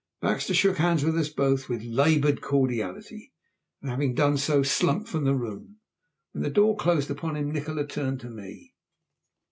Baxter shook hands with us both with laboured cordiality, and having done so slunk from the room. When the door closed upon him Nikola turned to me.